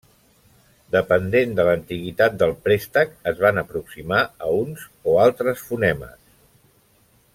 Dependent de l'antiguitat del préstec, es van aproximar a uns o altres fonemes.